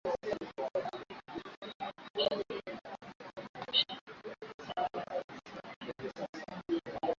unaweza ukachukua cheti cha usajili wa idhaa ya redio